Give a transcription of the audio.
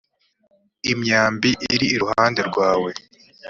imyambi iri iruhande rwawe